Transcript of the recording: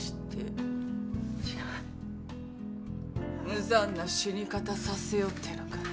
無残な死に方させようっていうのかい？